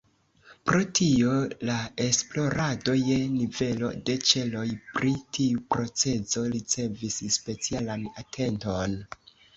Pro tio la esplorado je nivelo de ĉeloj pri tiu procezo ricevis specialan atenton.